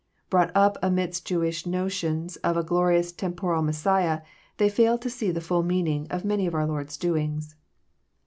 Brought up amidst Jewish notions of a glorious temporal Messiah, they failed to see the fUll meaning of many of our Lord's doings.